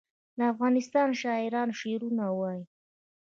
د افغانستان شاعران شعرونه وايي